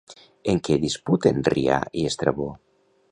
En què disputen Rià i Estrabó?